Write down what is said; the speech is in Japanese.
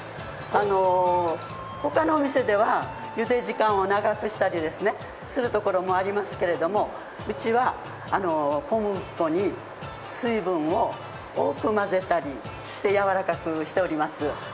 ほかのお店ではゆで時間を長くしたりするところもありますけれども、うちは小麦粉に水分を多く混ぜたりしてやわらかくしています。